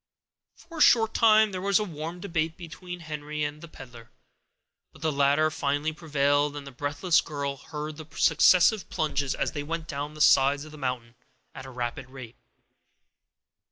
For a short time there was a warm debate between Henry and the peddler; but the latter finally prevailed, and the breathless girl heard the successive plunges, as they went down the sides of the mountain at a rapid rate.